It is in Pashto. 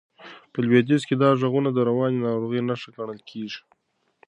په لوېدیځ کې دا غږونه د رواني ناروغۍ نښه ګڼل کېږي.